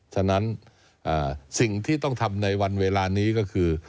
ฉะนั้นสิ่งที่ต้องทำในวันเวลานี้ก็คือ